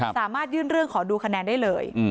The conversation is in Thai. สามารถยื่นเรื่องขอดูคะแนนได้เลย